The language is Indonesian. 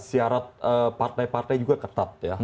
syarat partai partai juga ketat ya